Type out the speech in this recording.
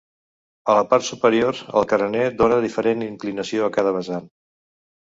A la part superior el carener dóna diferent inclinació a cada vessant.